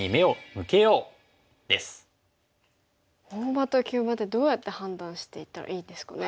大場と急場ってどうやって判断していったらいいですかね。